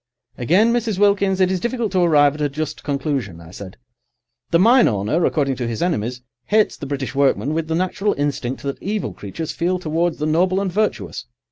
"Again, Mrs. Wilkins, it is difficult to arrive at a just conclusion," I said. "The mine owner, according to his enemies, hates the British workman with the natural instinct that evil creatures feel towards the noble and virtuous.